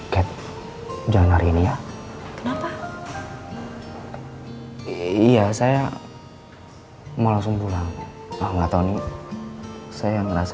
ket jangan hari ini ya kenapa iya saya mau langsung pulang nggak tahu nih saya ngerasa